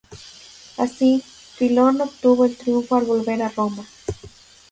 Así, Filón obtuvo el triunfo al volver a Roma.